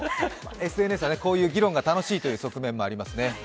ＳＮＳはこういう議論が楽しいという側面もありますね。